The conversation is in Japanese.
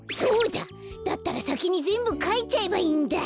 だったらさきにぜんぶかいちゃえばいいんだ。